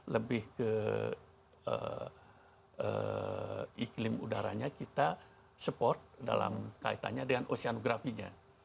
lebih ke iklim udaranya kita support dalam kaitannya dengan oceanografinya